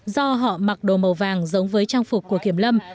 do họ mặc đồ màu vàng giống với trang phục của kiểm lâm